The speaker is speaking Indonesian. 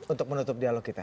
untuk menutup dialog kita